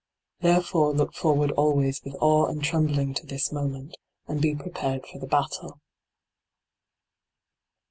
Therefore look forward always with awe and trembling to this moment, and be prepared for the battle.